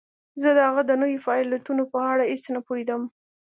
زه د هغه د نویو فعالیتونو په اړه هیڅ نه پوهیدم